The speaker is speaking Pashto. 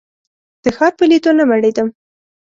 د ښار په لیدو نه مړېدم.